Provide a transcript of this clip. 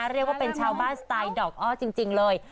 เรียกว่าเป็นชาวบ้านสไตล์ดอกอ้อจริงเลย